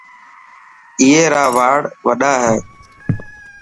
اي را واڙ وڏا هي.